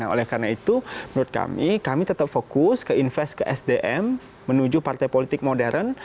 oleh karena itu menurut kami kami tetap fokus ke invest ke sdm menuju partai politik modern